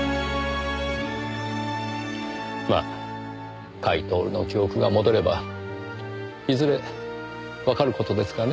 まあ甲斐享の記憶が戻ればいずれわかる事ですがね。